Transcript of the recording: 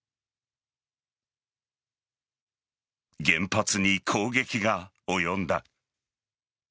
原発に攻撃が及んだ。